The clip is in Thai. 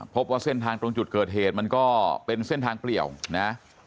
พบว่าเส้นทางตรงจุดเกิดเหตุมันก็เป็นเส้นทางเปลี่ยวนะ